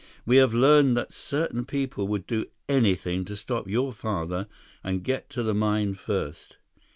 We have learned that certain people would do anything to stop your father and get to the mine first.